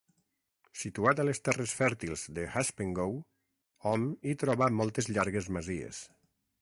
Situat a les terres fèrtils d'Haspengouw, hom hi troba moltes llargues masies.